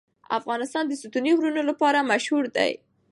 افغانستان د ستوني غرونه لپاره مشهور دی.